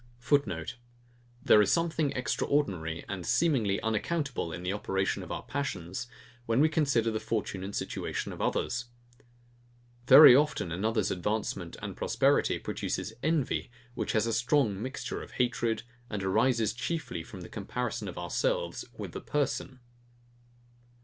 [Footnote: There is something extraordinary, and seemingly unaccountable in the operation of our passions, when we consider the fortune and situation of others. Very often another's advancement and prosperity produces envy, which has a strong mixture of hatred, and arises chiefly from the comparison of ourselves with the person.